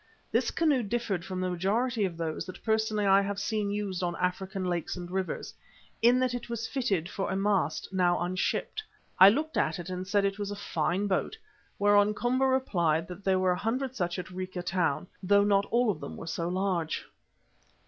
This canoe differed from the majority of those that personally I have seen used on African lakes and rivers, in that it was fitted for a mast, now unshipped. I looked at it and said it was a fine boat, whereon Komba replied that there were a hundred such at Rica Town, though not all of them were so large.